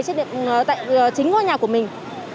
trên chính ngôi nhà của mình